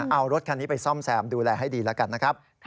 เอารถคันนี้ไปซ่อมแซมดูแลให้ดีแล้วกันนะครับ